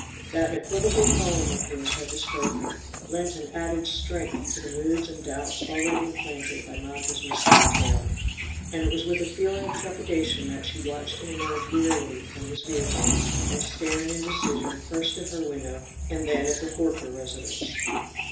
That equivocal poem of his had disturbed her, lent an added strength to the moods and doubts already implanted by Magda's mystical tale, and it was with a feeling of trepidation that she watched him emerge wearily from his vehicle and stare in indecision first at her window and then at the Horker residence.